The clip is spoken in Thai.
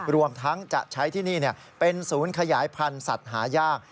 รวมทั้งจะใช้ที่นี่เป็นศูนย์ขยายพันธุ์สัตว์หายาก